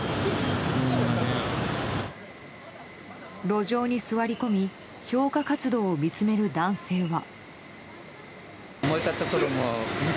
路上に座り込み消火活動を見つめる男性は。